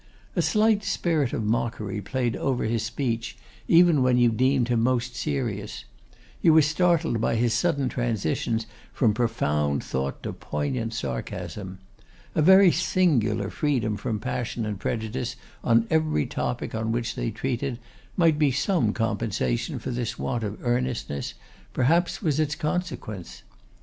A slight spirit of mockery played over his speech even when you deemed him most serious; you were startled by his sudden transitions from profound thought to poignant sarcasm. A very singular freedom from passion and prejudice on every topic on which they treated, might be some compensation for this want of earnestness, perhaps was its consequence.